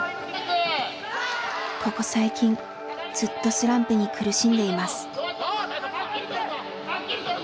ここ最近ずっとスランプに苦しんでいます。